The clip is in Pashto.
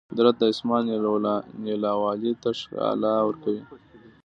قدرت د اسمان نیلاوالي ته ښکلا ورکوي.